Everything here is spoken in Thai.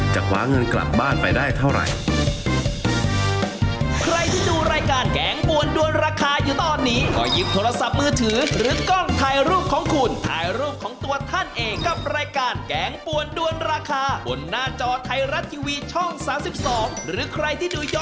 คว้าเงินกลับบ้านไปได้เท่าไหร่